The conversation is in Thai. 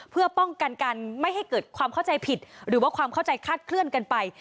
เพื่อป้องกันกันไม่ให้เกิดความเข้าใจผิดหรือว่าความเข้าใจคาดเคลื่อนกันไป